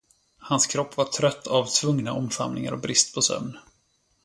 Hans kropp var trött av tvungna omfamningar och brist på sömn.